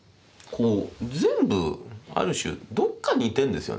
全部ある種どっか似てんですよね。